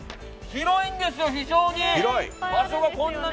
広いんですよ、非常に。